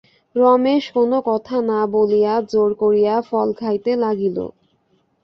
রমেশ কোনো কথা না বলিয়া জোর করিয়া ফল খাইতে লাগিল।